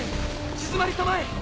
鎮まりたまえ！